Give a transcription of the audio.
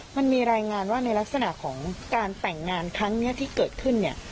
มันมีรายงานว่าในลักษณะของการแต่งงานครั้งนี้ที่เกิดขึ้นเนี่ย